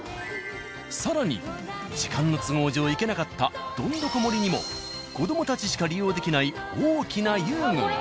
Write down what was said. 更に時間の都合上行けなかったどんどこ森にも子どもたちしか利用できない大きな遊具が。